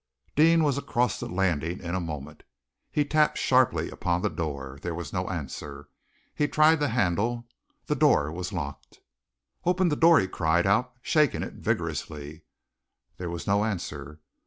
Deane was across the landing in a moment. He tapped sharply upon the door. There was no answer. He tried the handle. The door was locked! "Open the door," he cried out, shaking it vigorously. There was no answer.